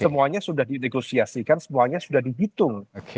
semuanya sudah didegosiasikan semuanya sudah dihitung